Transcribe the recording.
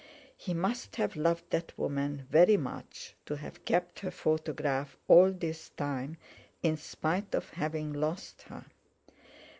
He must have loved that woman very much to have kept her photograph all this time, in spite of having lost her.